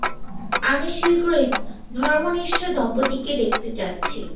আমি শীঘ্রই ধর্মনিষ্ঠ দম্পতিকে দেখতে যাচ্ছি।